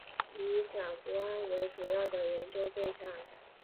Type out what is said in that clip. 以甲钴胺为主要的研究对象。